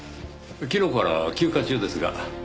昨日から休暇中ですが。